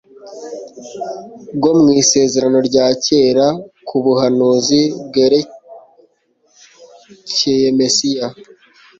bwo mu Isezerano rya kera ku buhanuzi bwerekcye Mesiya: